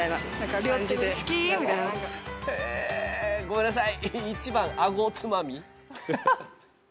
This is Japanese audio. えごめんなさい。